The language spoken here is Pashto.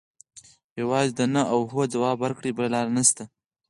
یوازې د نه او هو ځواب ورکړي بله لاره نشته.